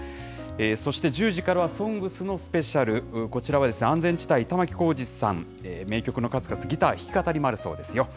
そして１０時からはＳＯＮＧＳのスペシャル、こちらは、安全地帯・玉置浩二さん、名曲の数々、ギター弾き語りもあるそうですよ。